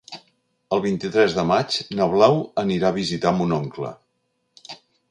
El vint-i-tres de maig na Blau anirà a visitar mon oncle.